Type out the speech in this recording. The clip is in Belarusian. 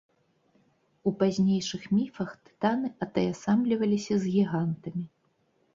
У пазнейшых міфах тытаны атаясамліваліся з гігантамі.